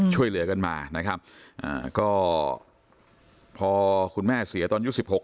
ช่วยเหลือกันมานะครับอ่าก็พอคุณแม่เสียตอนยุค๑๖